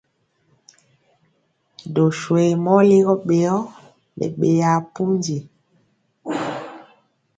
Doswe mɔ ligɔ ɓeyɔ nɛ ɓeyaa pundi.